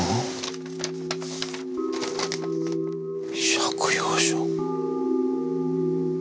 借用書。